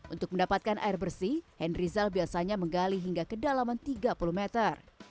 untuk mendapatkan air bersih henry zal biasanya menggali hingga kedalaman tiga puluh meter